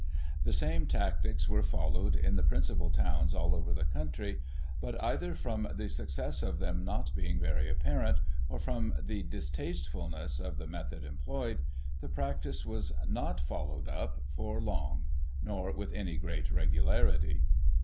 The same tactics were followed in the principal towns all over the country, but, either from the success of them not being very apparent, or from the distastefulness of the method employed, the practice was not followed up for long — ^nor with any great regularity.